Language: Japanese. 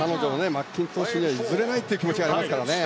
マッキントッシュには譲れないという気持ちがありますからね。